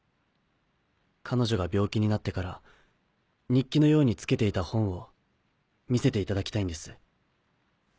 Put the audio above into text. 彼女が病気になってから日記のようにつけていた本を見せていただきたいんです。